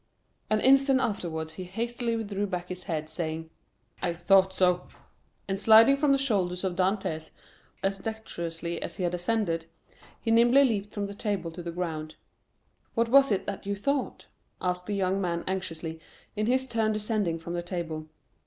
An instant afterwards he hastily drew back his head, saying, "I thought so!" and sliding from the shoulders of Dantès as dextrously as he had ascended, he nimbly leaped from the table to the ground. "What was it that you thought?" asked the young man anxiously, in his turn descending from the table.